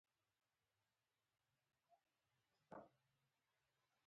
چاغ زيږې ور وکتلې.